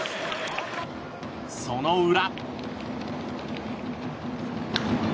その裏。